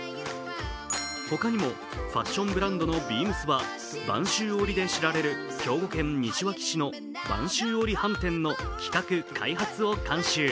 他にもファッションブランドのＢＥＡＭＳは播州織で知られる兵庫県西脇市の播州織はんてんの企画・開発を監修。